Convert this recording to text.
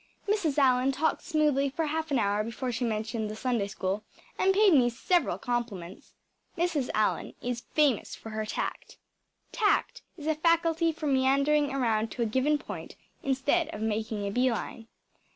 Mrs. Allan talked smoothly for half an hour before she mentioned the Sunday School, and paid me several compliments. Mrs. Allan is famous for her tact. Tact is a faculty for meandering around to a given point instead of making a bee line.